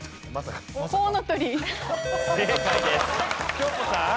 恭子さん？